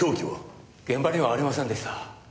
現場にはありませんでした。